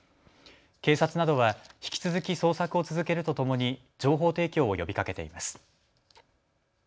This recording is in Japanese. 警察などは引き続き捜索を続けるとともに情報提供を呼びかけています。